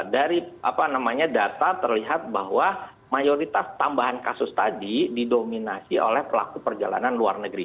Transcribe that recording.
dari apa namanya data terlihat bahwa mayoritas tambahan kasus tadi didominasi oleh pelaku perjalanan luar negeri